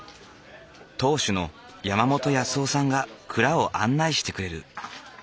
当主の山本康夫さんが蔵を案内してくれる。